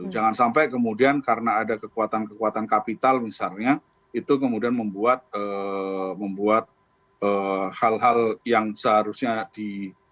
jangan sampai kemudian karena ada kekuatan kekuatan kapital misalnya itu kemudian membuat hal hal yang seharusnya di